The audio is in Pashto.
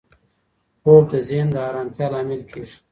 خوب د ذهن د ارامتیا لامل کېږي.